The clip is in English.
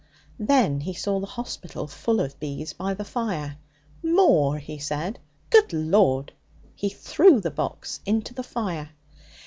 Then he saw the hospital full of bees by the fire. 'More?' he said. 'Good Lord!' He threw the box into the fire.